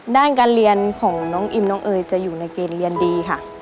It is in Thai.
ด้านการเรียนของน้องอิมน้องเอ๋ยจะอยู่ในเกณฑ์เรียนดีค่ะ